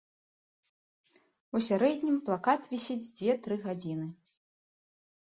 У сярэднім плакат вісіць дзве-тры гадзіны.